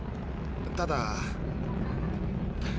ただ。